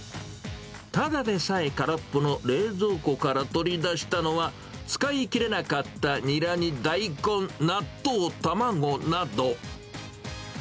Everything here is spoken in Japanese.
ただでさえ空っぽの冷蔵庫から取り出したのは、使い切れなかったニラに大根、納豆、卵など。